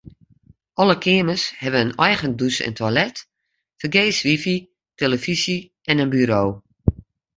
Alle keamers hawwe in eigen dûs en toilet, fergees wifi, tillefyzje en in buro.